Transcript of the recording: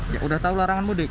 sudah tahu larangan mudik